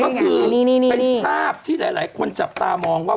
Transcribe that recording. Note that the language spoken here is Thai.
ก็คือเป็นภาพที่หลายคนจับตามองว่า